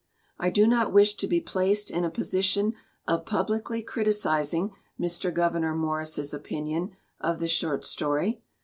"I do not wish to be placed in a position of publicly criticizing Mr. Gouverneur Morris's opin ion of the short story.